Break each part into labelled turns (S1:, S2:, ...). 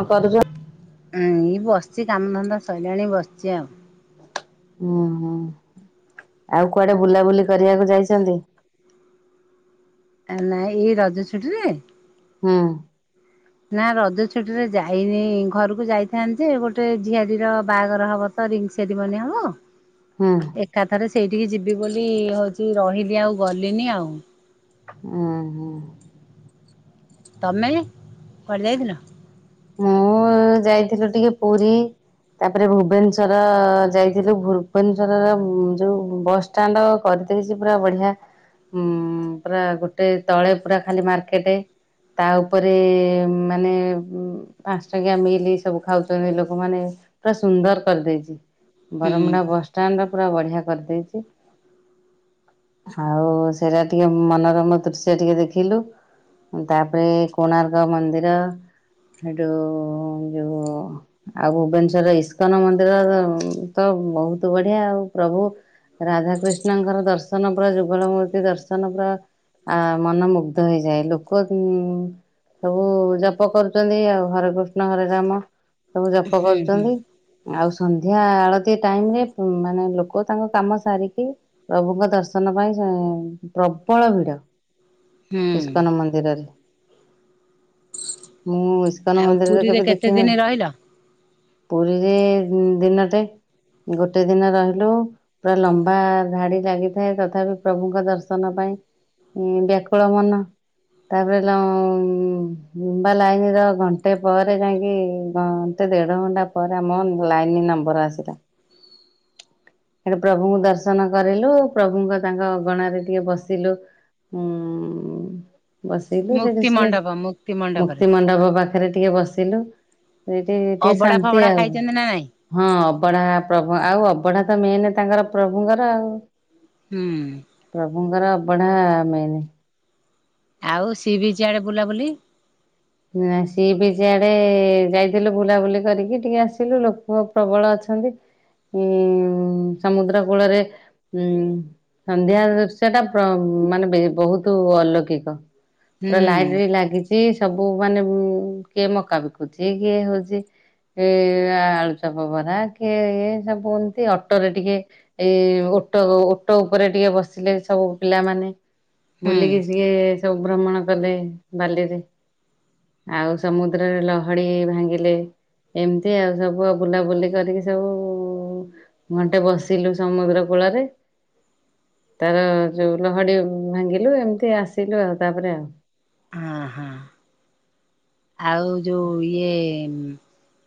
S1: ହଁ କରୁଛ?
S2: ଏଇ ବସିଛି କାମଧନ୍ଦା ସରିଲାଣି ବସିଛି ଆଉ।
S1: ଓ ହୋ। ଆଉ କୁଆଡେ ବୁଲାବୁଲି କରିବାକୁ ଯାଇଛନ୍ତି।
S2: ନାଇଁ ଏଇ ରଜ ଛୁଟିରେ
S1: ହଁ।
S2: ନା ରଜ ଛୁଟି ରେ ଯାଇନି ଘରକୁ ଯାଇଥାନ୍ତି ଯେ ଗୋଟେ ଝିଆରୀ ର ବାହାଘର ହବ। ତ ରିଙ୍ଗ୍ ସେରି ମନି ହବ?
S1: ହୁଁ
S2: ଏକା ଥରେ ସେଇଠିକି ଯିବି ବୋଲି ହଉଛି ରହିଲି ଆଉ ଗଲିନି ଆଉ।
S1: ହୁଁ ହୁଁ।
S2: ତମେ କୁଆଡେ ଯାଇ ଥିଲ।
S1: ମୁଁ ଯାଇଥିଲୁ ଟିକେ ପୁରୀ। ତାପରେ ଭୁବନେଶ୍ଵର ଯାଇଥିଲୁ ଭୁବନେଶ୍ୱରର ଯୋଉ ବସଷ୍ଟାଣ୍ଡ୍ କ ଦେଇଛି ପୁରା ବଢିଆ ପୁରା ଗୋଟେ ତଳେ ପୁରା ଖାଲି ମାର୍କେଟ୍ ତା ଉପରେ ମାନେ ଉଁ ପାଞ୍ଚ ଟଙ୍କିଆ ମିଲି ସବୁ ଖାଉଛନ୍ତି ଲୋକମାନେ। ପୁରା ସୁନ୍ଦର କରିଦେଇଛି
S2: ହୁଁ
S1: ବରମୁଣ୍ଡା ବସଷ୍ଟାଣ୍ଡ୍ ତ ପୁରା ବଢିଆ କରିଦେଇଛି। ଆଉ ସେଇଟା ଟିକେ ମନୋରମ ଦୃଶ୍ୟ ଟିକେ ଦେଖି ଦେଖିଲୁ ତାପରେ କୋଣାର୍କ ମନ୍ଦିର।
S2: [inaudible]
S1: ଓ ଆଉ ଭୁବନେଶ୍ୱର ଇସ୍କନ ମନ୍ଦିର ତ ବହୁତ ବଢିଆ ଆଉ ପ୍ରଭୁ ରାଧାକୃିଷ୍ଣଙ୍କର ଦର୍ଶନ ପୁରା ଯୁଗଳ ମୂର୍ତ୍ତି ଦର୍ଶନ ପୁରା। ଆ ମନ ମୁୁଗ୍ଧ ହୋଇଯାଏ ଲୋକ ଉ ସବୁ ଜପ କରୁ ଆଉ ହରେ କୃଷ୍ଣ ହରେ ରାମ ସବୁ ଜପ
S2: ହୁଁ ହୁଁ
S1: କରୁଛନ୍ତି ଆଉ ସନ୍ଧ୍ୟା ଏହା ଆଳତି ଟାଇମ ରେ ମାନେ ଲୋକ ତାଙ୍କ କାମ ସାରିକି ପ୍ରଭୁଙ୍କ ଦର୍ଶନ ପାଇଁ ପ୍ରବଳ ଭିଡ଼
S2: ହୁଁ
S1: ଇସ୍କନ ମନ୍ଦିରରେ। ମୁଁ ଇସ୍କନ
S2: ଆଉ
S1: ମନ୍ଦିରରେ
S2: ପୁରୀରେ
S1: କେବେ
S2: କେତେ
S1: ଦେଖି ନ?
S2: ଦିନ ରହିଲ?
S1: ପୁରୀରେ ଦିନଟେ ଗୋଟେ ଦିନ ରହିଲୁ ପୁରା ଲମ୍ବା ଧାଡି ଲାଗିଥାଏ ତଥାପି ପ୍ରଭୁଙ୍କ ଦର୍ଶନ ପାଇଁ ଏ ବ୍ୟାକୁଳ ମନା ତାପରେ ଲ ଲମ୍ବା ଲାଇନ୍ର ଘଣ୍ଟେ ପରେ ଯାଇକି ଘଣ୍ଟେ ଦେଢ଼ ଘଣ୍ଟା ପରେ ଆମ ଲାଇନ୍ ନମ୍ବର ଆ ସିଲା।
S2: [inaudible]
S1: ଆରେ ପ୍ରଭୁଙ୍କୁ ଦର୍ଶନ କରିଲୁ ପ୍ରଭୁଙ୍କ ତାଙ୍କ ଅଗଣାରେ ଟିକେ ବସିଲୁ। ହୁଁ ବସିଲୁ ସେଠୁ
S2: ମୁକ୍ତି
S1: ସେ
S2: ମଣ୍ଡପ ମୁକ୍ତି ମଣ୍ଡପରେ
S1: ମୁକ୍ତି ମଣ୍ଡପ ପାଖରେ ଟିକେ ବସିଲୁ। ସେଇଠି ଟିକେ
S2: ଅବଡା
S1: ଶାନ୍ତି
S2: ଫବଡା
S1: ଆଉ
S2: ଖାଇଛନ୍ତି ନା ନାଇଁ?
S1: ହଁ ଅବଢା ପ୍ରଭୁ ଆଉ ଅବଢା ତ ମେନ ତାଙ୍କର ପ୍ରଭୁଙ୍କର ଆଉ
S2: ହୁଁ
S1: ପ୍ରଭୁଙ୍କର ଅବଢ଼ା ମେନ୍।
S2: ଆଉ ସି ବିଚ୍ ଆଡେ ବୁଲାବୁଲି?
S1: ନା ସି ବିଚ୍ ଆଡେ ଯାଇଥିଲୁ ବୁଲାବୁଲି କରିକି ଟିକେ ଆସିଲୁ ଲୋକ ପ୍ରବଳ ଅଛ ଛନ୍ତି। ଉଁ ସମୁଦ୍ର କୂଳରେ ଉଁ ସନ୍ଧ୍ୟା ବେଳ ଦୃଶ୍ୟ ଟା ମାନେ ବେ ବହୁତ ଅଲୌକିକ ପୁରା
S2: ହୁଁ
S1: ଲାଇଟ ବି ଲାଗିଚି। ସବୁ ମାନେ ଉ କିଏ ମକା ବିକୁଚି କିଏ ହଉଚି ଏ ଆଳୁଚପ ଭରା କିଏ ଏ ସବୁ ଏମତି ଅଟୋରେ ଟିକେ ଇଏ ଓଟୋ ଓଟୋ ଉପରେ ଟିକେ ବସିଲେ ସବୁ ପିଲାମାନେ।
S2: ହୁଁ
S1: ବୁଲିକି ସିଏ ସବୁ ଭ୍ରମଣ କଲେ ବାଲିରେ। ଆଉ ସମୁଦ୍ରରେ ଲହଡି ଭାଙ୍ଗିଲେ ଏମତି ଆଉ ସବୁ ଆ ବୁଲାବୁଲି କରିକି ସବୁ ଘଣ୍ଟେ ବସିଲୁ ସମୁଗ୍ର କୂଳରେ। ତାର ଯୋଉ ଲହଡି ଭାଙ୍ଗିଲୁ ଏମିତି ଆସିଲୁ ଆଉ ତାପରେ ଆଉ।
S2: ହଁ ହଁ। ଆଉ ଯୋଉ ଇଏ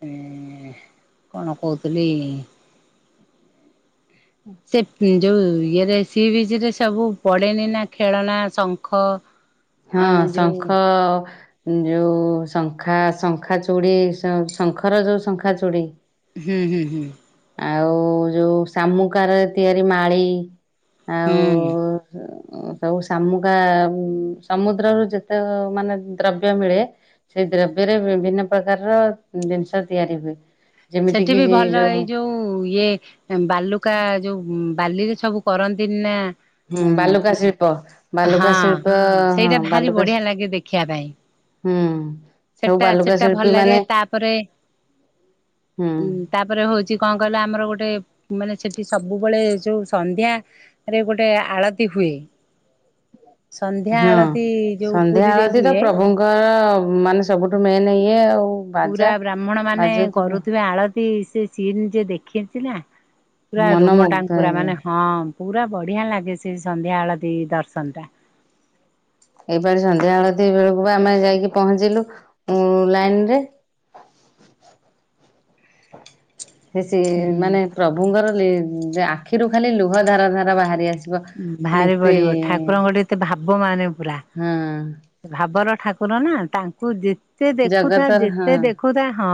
S2: ଏ କଣ କହୁଥିଲି ସେ ପି ଯୋଉ ଇଏରେ ସି ବିଚରେ ସବୁ ପଡେନି ନା ଖେଳନା ଶଙ୍ଖ
S1: ହଁ
S2: ଅ ଯୋଉ
S1: ଶଙ୍ଖ ଯୋଉ ଶଙ୍ଖା ଶଙ୍ଖା ଚୁଡ଼ି ଶ ଶଙ୍ଖର ଯୋଉ ଶଙ୍ଖା ଚୁଡ଼ି।
S2: ହୁଁ ହୁଁ ହୁ।
S1: ଆଉ ଯୋଉ ଶାମୁକାରେ ତିଆରି ମାଳି
S2: ହୁଁ।
S1: ଓ ସବୁ ଶାମୁକା ସମୁଦ୍ରରୁ ଯେତେ ମାନେ ଦ୍ରବ୍ୟ ମିଳେ ସେଇ ଦ୍ରବ୍ୟରେ ବିଭିନ୍ନ ପ୍ରକାରର ଜିନିଷ ତିଆରି ହୁଏ। ଯେମିତି
S2: ସେଠି
S1: କିି
S2: ବି ଭଲ ଏଇ ଯୋଉ ଇଏ ବାଲୁକା ଯୋଉ ବାଲିରେ ସବୁ କରନ୍ତିନି ନା
S1: ହୁଁ
S2: ଅ
S1: ବାଲୁକା ଶିଳ୍ପ ବାଲୁକା
S2: ହଁ
S1: ଶିଳ୍ପ ହଁ
S2: ସେଇଟା ଭାରି
S1: ବାଲୁକା
S2: ବଢିଆ ଲାଗେ ଦେଖିବା ପାଇଁ।
S1: ହୁଁ ସବୁ
S2: ସେଟା
S1: ବାଲୁକା
S2: ସେଟା ଭଲ
S1: ଶିଳ୍ପୀ ମାନେ
S2: ଲାଗେ ତାପରେ
S1: ହୁଁ
S2: ଉଁ ତାପରେ ହଉଚି କଣ କହିଲ ଆମର ଗୋଟେ ମାନେ ସେଠି ସବୁବେଳେ ଯୋଉ ସନ୍ଧ୍ୟ ରେ ଗୋଟେ ଆଳତି ହୁଏ। ସନ୍ଧ୍ୟା
S1: ହଁ
S2: ଆଳତି ଯୋଉ
S1: ସନ୍ଧ୍ୟା
S2: ପୁରୀରେ
S1: ଆଳତି ତ
S2: ହୁଏ
S1: ପ୍ରଭୁଙ୍କର ମାନେ ସବୁଠୁ ମେନ୍ ଇଏ ଆଉ। ବାଜା
S2: ପୁରା ବ୍ରାହ୍ମଣ ମାନେ
S1: ବାଜୁଥିବ
S2: କରୁଥିବା ଆଳତି ସେ ସିନ୍ ଯ ଦେଖିଚି ନା ପୁରା ରୁମ
S1: ମନମୁଗ୍ଧ
S2: ଟାଙ୍କୁରା
S1: ହେଇଯାଏ।
S2: ମାନେ ହଁ। ପୁରା ବଢିଆ ଲାଗେ ସେ ସନ୍ଧ୍ୟା ଆଳତି ଦର୍ଶନ ଟା।
S1: ଏପା ସନ୍ଧ୍ୟାବେଳତି ବେଳକୁ ବା ଆମେ ଯାଇକି ପହଞ୍ଚିଲୁ ଉଁ ଲାଇନ ରେ ସେ ସିଏ
S2: ହୁଁ
S1: ମାନେ ପ୍ରଭୁଙ୍କର ନେ ଆଖିରୁ ଖାଲି ଲୁହ ଧାର ଧାର ବାହାରି ଆସ୍
S2: ଭାରିପଡିବ ଠାକୁରଙ୍କଠି ଏତେ ଭା ଭାବ ମାନେ ପୁରା
S1: ହଁ
S2: ଭାବର ଠାକୁର ନା ତାଙ୍କୁ ଯେ ଯେତେ ଦେଖୁଥା
S1: ଜଗତର ହଁ
S2: ଯେତେ ଦେଖୁଥା ହଁ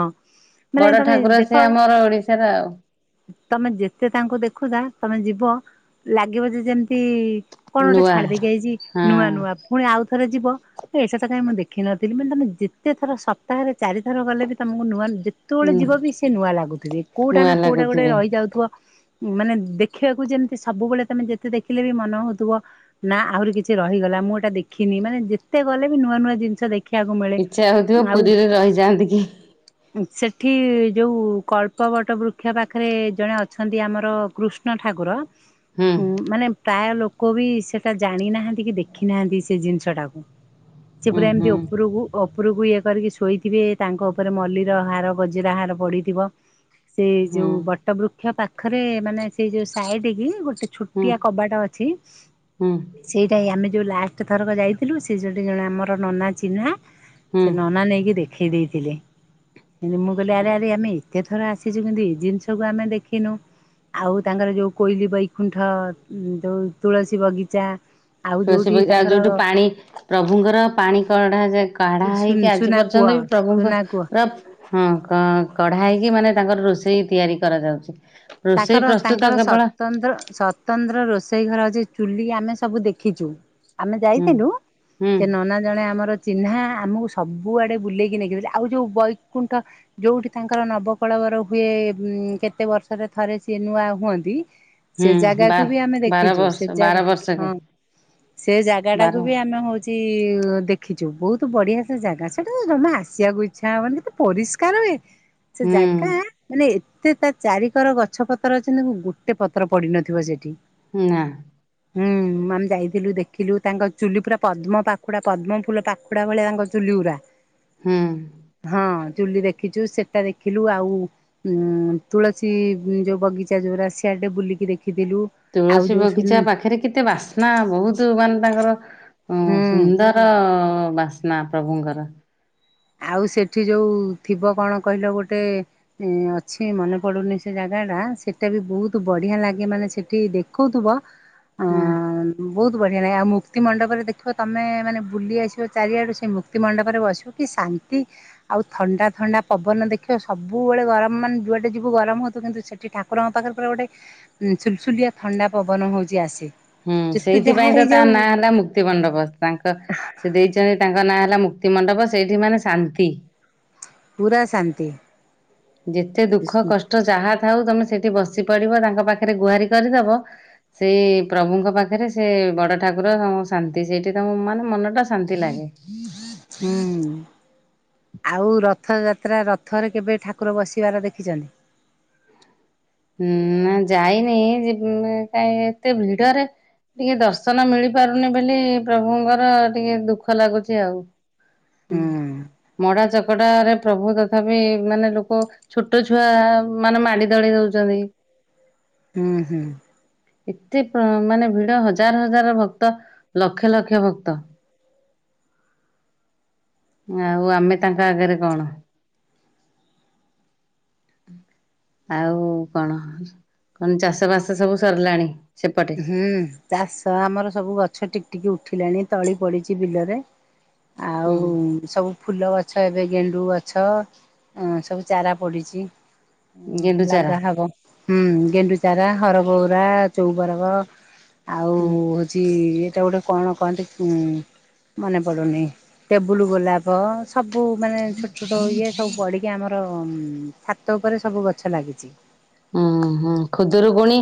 S2: ମାନେ
S1: ବଡ
S2: ତମେ
S1: ଠାକୁର ସେ
S2: ଦେଖ
S1: ଆମର ଓଡିଶାର ଆଉ
S2: ତମେ ଯେତେ ତାଙ୍କୁ ଦେଖୁଥା ତମେ ଯିବ ଲାଗିବ ଯେ ଯେମତି କଣ ଗୋଟେ
S1: ନୂଆ
S2: ଛାଡିଦେଇକି ଆଇଚି
S1: ହଁ
S2: ନୂଆ ନୂଆ ଫୁଣି ଆଉ ଥରେ ଯିବ କାଇ ଏଟା ତ କାଇଁ ମୁଁ ଦେଖିନଥିଲି ମାନେ ତମେ ଯେତେଥର ସପ୍ତାହରେ ଚାରିଥର ଗଲେ ବି ତମକୁ ନୂଆ ନ୍ ଯେତୋଳେ ଯିବ ବି ସେ ନୂଆ ଲାଗୁଥିବେ କୋଉଟା
S1: ନୂଆ
S2: ନା କୋଉଟା ଗୋଟେ
S1: ଲାଗୁଥିବେ
S2: ରହିଯାଉଥିବ ମାନେ ଦେଖିବାକୁ ଯେମତି ସବୁବେଳେ ମାନେ ଯେତେ ଦେଖିଲେ ବି ମନେ ହୋଉଥୁବ ନା ଆହୁରି କିଛି ରହିଗଲା ମୁଁ ଏଟା ଦେଖିନି ମାନେ ଯେତେ ଗଲେ ବି ନୂ ନୂଆ ନୂଆ ଜିନଷ ଦେଖ
S1: ଇଚ୍ଛା ହୋଉଥୁବ ପୁରୀରେ ରହିଯାଆନ୍ତି କି।
S2: ଉଁ ସେଠି ଯୋଉ କଳ୍ପବଟ ବୃକ୍ଷ ପାଖରେ ଜଣେ ଅଛନ୍ତି ଆମର କୃଷ୍ଣ ଠା ଠାକୁର। ହୁଁ ମାନେ ପ୍ରାୟ ଲୋକ ବି ସେଟା ଜାଣି ନାହାନ୍ତି କି ଦେଖି ନାହାନ୍ତି ସେ ଜିନିଷ ଟାକୁ। ସେ
S1: ହୁଁ
S2: ପୁରା ଏମତି
S1: ହୁଁ
S2: ଓପରୁକୁ ଓପ୍ ଉପରକୁ ଇଏ କରିକି ଶୋଇଥିବେ ତାଙ୍କ ଓପରେ ମଲ୍ଲର ହାର ଗଜିରା ହାର ପଡ଼ିଥିବ। ସେଇ
S1: ହୁଁ
S2: ଯୋଉ ବଟ ବୃକ୍ଷ ପାଖରେ ମାନେ ସେଇ ଯୋଉ ସାଇଡିକି ଗୋଟେ
S1: ହୁଁ
S2: ଛୋଟିଆ କବାଟା ଅଛି
S1: ହୁଁ
S2: ସେଇଟା ହିଁ ଆମେ ଯୋଉ ଲାଷ୍ଟେ ଥରକ ଯାଇଥିଲୁ ସେ ଯୋଉଠି ଜଣେ ଆମର ନନା ଚିହ୍ନା ସେ
S1: ହୁଁ
S2: ନନା ନେଇକି ଦେ ଖେଇ ଦେଇଥିଲେ କିନ୍ତୁ ମୁଁ କହିଲି ଆରେ ଆରେ ଆମେ ଏ ଏତେ ଥର ଆସିଚୁ କିନ୍ତୁ ଏ ଜିନଷକୁ ଆମେ ଦେଖିନୁ ଆଉ ତାଙ୍କର ଯୋଉ କୋଇଲି ବଇ କୁଣ୍ଠ ଉଁ ଯୋଉ ତୁଳସୀ ବଗିଚା। ଆଉ
S1: ତୁଳସୀ
S2: ଯୋଉଠି
S1: ପଇ ଆଉ
S2: ତାଙ୍କର
S1: ଯୋଉଠୁ ପାଣି ପ୍ରଭୁଙ୍କର ପାଣି କଢା ଯା କାଢା ହେଇକି ଆଜି
S2: ସୁନା
S1: ପର୍ଯ୍ୟ
S2: କୂଅ
S1: ତଥାପି ପ୍ରଭୁଙ୍କ
S2: ସୁନା କୂଅ
S1: ପ୍ର ହଁ କ କଢା ହେଇକି ମାନେ ତାଙ୍କର ରୋଷେଇ ତିଆରି କରାଯାଉଛି। ରୋଷେଇ
S2: ତାକର
S1: ପ୍ରସ୍ତୁତ
S2: ତାଙ୍କର
S1: କେବଳ
S2: ସତନ୍ତ୍ର ସତନ୍ତ୍ର ରୋଷେଇ ଘର ଅଛି। ଚୁଲି ଆମେ ସବୁ ଦେଖିଚୁ ଆମେ
S1: ହୁଁ
S2: ଯାଇଥିଲୁ
S1: ହୁଁ
S2: ସେ ନନା ଜଣେ ଆମର ଚିହ୍ନା ଆମକୁ ସବୁଆଡ଼େ ବୁଲେଇକି ନେଇକିରି ଯାଏ ଆଉ ଯୋଉ ବୈକୁଣ୍ଠ ଯୋଉଠି ତାଙ୍କର ନବକଳବର ହୁଏ। କେ କେତେ ବର୍ଷରେ ଥରେ ସିଏ ନୂଆ ହୁଅନ୍ତି। ସେ
S1: ହୁଁ
S2: ଜାଗାକୁ
S1: ବା
S2: ବି ଆମେ
S1: ବାର
S2: ଦେଖିଚୁ ସେ
S1: ବର୍ଷ
S2: ଜାଗା
S1: ବାର
S2: ହଁ।
S1: ବର୍ଷକେ
S2: ସେ ଜାଗାଟାକୁ
S1: ବାର
S2: ବି ଆମେ ହୋଉଚି ଦେ ଦେଖିଚୁ ବୋହୁତୁ ବଢିଆ ସେ ଜାଗା ସେଟା ତ ଜମା ଆସିବାକୁ ଇଛା ହବନି କେତେ ପରିଷ୍କାର ହୁଏ। ସେ
S1: ହୁଁ
S2: ଜାଗା ମାନେ ଏତେ ତା ଚାରି ପକାର ଗଛ ପତ୍ର ଅଛି ହେନେ କୋଉ ଗୋଟେ ପତ୍ର ପଡିିନଥିବ ସେଠି।
S1: ନାଁ।
S2: ହୁଁ। ମାମ୍ ଯାଇଥିଲୁ ଦେଖିଲୁ ତାଙ୍କ ଚୁଲି ପୁରା ପଦ୍ମ ପାଖୁଡା ପଦ୍ମ ଫୁଲ ପାଖୁଡା ଭଳିଆ ତାଙ୍କ ଚୁଲିଉରା।
S1: ହୁଁ।
S2: ଚୁଲି ଦେଖିଚୁ ସେଟା ଦେଖିଲୁ ଆଉ ଉଁ ତୁଳସୀ। ଛି ଯୋଉ ବଗିଚା ଯୋଉରା ସ୍ୟାଡେ ବୁଲିକି ଦେଖି
S1: ତୁଳସୀ ବଗିଚା ପାଖରେ କେତେ ବାସ୍ନା ବୋହୁତୁ ମାନେ ତାଙ୍କର ଓଁ
S2: ହୁଁ
S1: ସୁନ୍ଦର ବାସ୍ନା ପ୍ରଭୁଙ୍କର।
S2: ଆଉ ସେଠି ଯୋଉ ଥିବ କଣ କହିଲ ଗୋଟେ ଉଁ ଅଛି ମନେ ପଡୁନି ସେ ଜାଗା ଗାଟା ସେଟା ବି ବୋହୁତ ବଢିଆ ଲାଗେ ମାନେ ସେଠି ଦେଖୋଉଥୁବ।
S1: ହୁଁ।
S2: ବୋହୁତ ବଢ଼ିଆ ନାଗେ ଆଉ ମୁକ୍ତି ମଣ୍ଡପରେ ଦେଖିବ ତମେ ମାନେ ବୁଲି ଆସିବ ଚାରିଆଡ଼ୁ ସେଇ ମୁକ୍ତିମଣ୍ଡପରେ ବସିବ କି ଶାନ୍ତି ଆଉ ଥଣ୍ଡା ଥଣ୍ଡା ପବନ ଦେଖିବ ସବୁବେଳେ ଗରମ ମାନେ ଯୁଆଡେ ଯିବୁ ଗରମ ହୋଉଥୁ କିନ୍ତୁ ସେଠି ଠାକୁରଙ୍କ ପାଖରେ ଗୋଟେ ଉଁ ସୁଲସୁଲିଆ ଥଣ୍ଡା ପବନ ହୋଉଚି ଆସେ।
S1: ହୁଁ
S2: ଯେତେ ଯାହା
S1: ସେଇଥିପାଇଁ ତ ତା
S2: ହେଇଯାଉ
S1: ନାଁ ହେଲା ମୁକ୍ତି ମଣ୍ଡପ ତାଙ୍କ ସେ ଦେଇଚନ୍ତି ତା ତାଙ୍କ ନାଁ ହେଲା ମୁକ୍ତି ମଣ୍ଡପ ସେଇଠି ମାନେ ଶାନ୍ତି।
S2: ପୁରା ଶାନ୍ତି।
S1: ଯେତେ ଦୁଃଖ
S2: ହୁଁ।
S1: କଷ୍ଟ ଯାହା ଥାଉ ତମେ ସେଇଠି ବସି ପଡିବ, ତାଙ୍କ ପାଖରେ ଗୁହାରି କରିଦବ। ସେଇ ପ୍ରଭୁଙ୍କ ପାଖରେ ସେ ବଡ ଠାକୁର ଶାନ୍ତି, ସେଇଠି ତମ ମାନେ ମନ ଟା ଶାନ୍ତି ଲାଗେ।
S2: ହୁଁ। ଆଉ ରଥଯାତ୍ରା, ରଥରେ କେବେ ଠାକୁର ବସିବାର ଦେଖିଛନ୍ତି?
S1: ହୁଁ- ନାଁ ଯାଇନି ଯି କାଇଁ ଏତେ ଭିଡରେ ଟିକେ ଦର୍ଶନ ମିଳି ପାରୁନି ବୋଲି, ପ୍ରଭୁଙ୍କର ଟିକେ ଦୁଃଖ ଲାଗୁଛି ଆଉ।
S2: ହୁଁ।
S1: ମଡା ଚକଟାରେ ପ୍ରଭୁ ତଥାପି, ମାନେ ଲୋକ ଛୋଟ ଛୁଆ ମାନେ ମାଡି ଦଳି ଦଉଛ ଛନ୍ତି।
S2: ହୁଁ- ହୁଁ।
S1: ଏତେ ମାନେ ଭିଡ, ହଜାର ହଜାର ଭକ୍ତ ଲକ୍ଷ ଲକ୍ଷ ଭକ୍ତ। ଆଉ ଆମେ ତାଙ୍କ ଆଗରେ କଣ? ଆଉ କଣ କଣ ଚାଷ ବାସ ସବୁ ସରିଲାଣି? ସେପଟେ
S2: ହୁଁ ଚାଷ ଆମର ସବୁ ଗଛ ଟିକେ ଟିକେ ଉଠିଲାଣି। ତଳି ପଡିଛି ବିଲରେ,
S1: ହୁଁ
S2: ଆଉ ସବୁ ଫୁଲ ଗ ଛ ଏବେ ଗେଣ୍ଡୁ ଗଛ, ସବୁ ଚାରା ପଡ଼ିଛି। ଉଁ
S1: ଗେଣ୍ଡୁଚାରା
S2: ଲଗା ହବ, ହୁଁ ଗେଣ୍ଡୁଚାରା ହର ବଉରା ଚଉ ବରଗ ଆଉ
S1: ହୁଁ
S2: ହଉଛି ତାକୁ ଗୋଟେ କଣ କହନ୍ତି, ମନେ ପଡ଼ୁନେଇ ଟେବୁଲ୍ ଗୋଲାପ ସବୁ ମାନେ ଛୋଟ ଛୋଟ ଇଏ ସବୁ ପଡ଼ିକି ଆମର [unintelligible] ଛାତ ଉପରେ ସବୁ ଗଛ ଲାଗିଛି।
S1: ହୁଁ ହୁଁ ଖୁଦୁରୁକୁଣି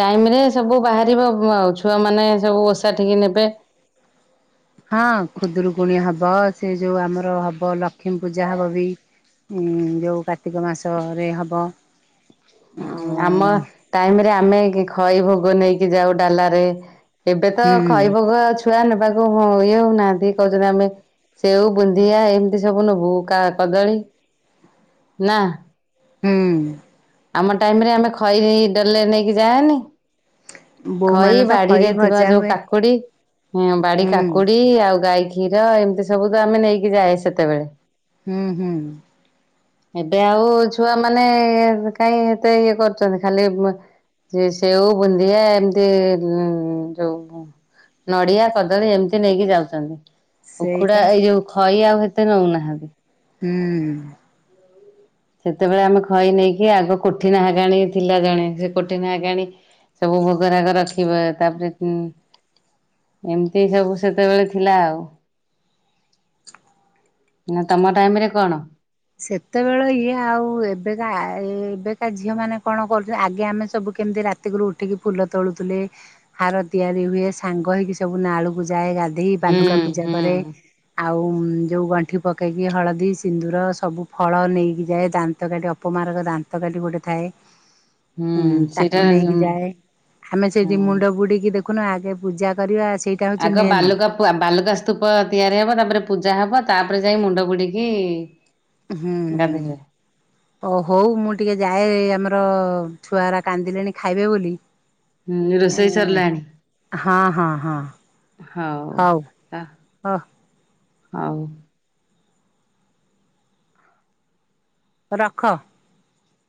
S1: ଟାଇମରେ ସବୁ ବାହାରିବ ଆଉ, ଛୁଆ ମାନେ ସବୁ ଓଷା ଠିକି ଏବେ
S2: ହଁ ଖୁଦୁରୁକୁଣି ହବ, ସେ ଯୋଉ ଆମର ହବ ଲକ୍ଷ୍ମୀ ପୂଜା ହବ ବି। ଉଁ ଯୋଉ କାର୍ତ୍ତିକ ମାସରେ ହବ।
S1: ହୁଁ
S2: ଆଉ
S1: ଆମ ଟାଇମରେ ଆମେ ଖଇ ଭୋଗ ନେଇକି ଯାଉ ଡାଲାରେ। ଏବେ ତ
S2: ହୁଁ
S1: ଖଇ ଭୋଗ ଛୁଆ ନେବାକୁ ଇଏ ହଉନାହାନ୍ତି। କହୁଛନ୍ତି ଆମେ ସେଓ ବୁନ୍ଦିଆ, ଏମିତି ସବୁ ନବୁ କଦଳୀ ନା
S2: ହୁଁ।
S1: ଆମ ଟାଇମରେ, ଆମେ ଖଇ ଡାଲାରେ ନେଇକି ଯାଏନି।
S2: ବୋଉ
S1: ଖଇ
S2: ମାନେ ତ ଖଇ
S1: ବାଡିରେ ଥିବା
S2: ଭଜା
S1: ଯୋଉ
S2: ହୁଏ
S1: କାକୁଡି, ବାଡି
S2: ହୁଁ
S1: କାକୁଡି ଆଉ ଗାଈ ଖୀ କ୍ଷୀର ଏମିତି ସବୁ ତ ଆମେ ନେଇକି ଯାଏ, ସେତେବେଳେ
S2: ହୁଁ- ହୁଁ।
S1: ଏବେ ଆଉ ଛୁଆ ମାନେ କାହିଁ ଏତେ ଇଏ କରୁଛନ୍ତି। ଖାଲି ସେ ସେଓ ବୁନ୍ଦିଆ ଏମି ସେ ଯୋଉ ନଡିଆ କଦଳୀ ଏମିତି ନେଇକି ଯାଉଛନ୍ତି। ଉଖୁଡା
S2: ସେଇପା
S1: ଏଇ ଯୋଉ ଖଇ ଆଉ ହେତେ ନଉନାହାନ୍ତି।
S2: ହୁଁ।
S1: ସେତେବେଳେ ଆମେ ଖଇ ନେଇକି ଆଗ କୋଠି ନାହଗାଣୀ ଥିଲା ଜଣେ, ସେ କୋଠନାହାଗାଣି ସବୁ ଭୋଗରାଗ ରଖିବ, ତାପରେ ଏମିତି ସବୁ ସେତେବେଳେ ଥିଲା ଆଉ। ନା ତମ ଟାଇମରେ କଣ?
S2: ସେତେବେଳେ ଇଏ ଆଉ ଏବେକା ଏବେକା ଝିଅ ମାନେ କଣ କରୁଛନ୍ତି, ଆଗେ ଆମେ ସବୁ କେମିତି ରାତିକୁରୁ ଉଠିକି ଫୁଲ ତୋଳୁଥିଲେ, ହାର ତିଆରି ହୁଏ ସାଙ୍ଗ ହେଇକି ସବୁ ନାଳୁକୁ ଯାଏ ଗାଧୋଇ
S1: ହୁଁ
S2: ବାଲୁକା ପୂଜା
S1: ହୁଁ
S2: କରେ, ଆଉ ଯୋଉ ଗଣ୍ଠି ପ କେଇକି ହଳଦୀ ସିନ୍ଦୁର ସବୁ ଫଳ ନେଇକି ଯାଏ ଦାନ୍ତକାଠି ଅପମାରକ ଦାନ୍ତକାଠି ଗୋଟେ ଥାଏ ହୁଁ ତାକୁ
S1: ସେଇଟା
S2: ନେଇକି ଯାଏ
S1: ହୁଁ।
S2: ଆମେ ସେଠି ମୁଣ୍ଡ ବୁଡିକି ଦେଖୁ କନୁ ଆଗେ ପୂଜା କରିବା ଅଛି
S1: ଆଗ ବାଲୁକା, ବାଲୁକା ସ୍ତୁପ ତିଆରି ହବ, ତାପରେ ପୂଜା ପୂଜା ହବ। ତାପରେ ଯାଇ ମୁଣ୍ଡ ବୁଡିକି
S2: ହୁଁ,।
S1: ଗାଧେଇବେ
S2: ଓ, ହଉ, ମୁଁ ଟିକେ ଯାଏ ଆମର ହଉ, ଛୁଆଗରା କାନ୍ଦିଲେଣି, ଖାଇବେ ବୋଲି।
S1: ହୁଁ,
S2: ଏ
S1: ରୋଷେଇ ସରିଲାଣି।
S2: ହଁ ହଁ ହଁ
S1: ହଉ- ତା-
S2: ହ
S1: ହଉ।
S2: ରଖ।